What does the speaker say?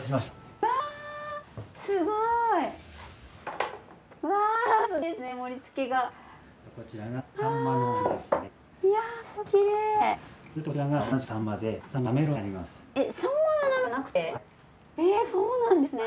うわすごいですね